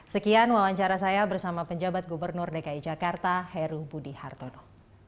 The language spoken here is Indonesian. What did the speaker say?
sekian wawancara saya bersama penjabat gubernur dki jakarta heru budi hartono